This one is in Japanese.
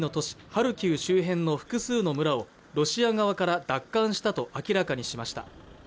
ハルキウ周辺の複数の村をロシア側から奪還したと明らかにしました